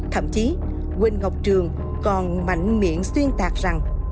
thậm chí quỳnh ngọc trường còn mạnh miễn xuyên tạc rằng